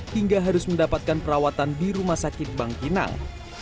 hingga harus mendapatkan perawatan di rumah sakit bang kinang